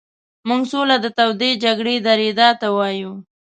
موږ سوله د تودې جګړې درېدا ته وایو.